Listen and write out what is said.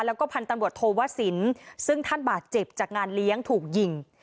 แล้วก็พันธุ์ตำรวจโทวสินซึ่งท่านบาดเจ็บจากงานเลี้ยงถูกยิง